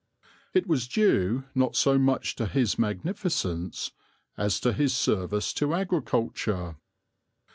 It was due not so much to his magnificence as to his service to agriculture.